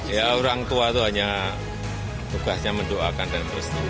ya orang tua itu hanya tugasnya mendoakan dan peristiwa